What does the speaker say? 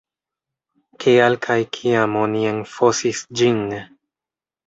Kial kaj kiam oni enfosis ĝin?